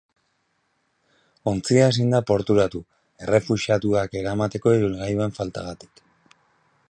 Ontzia ezin izan da porturatu, errefuxiatuak eramateko ibilgailuen faltagatik.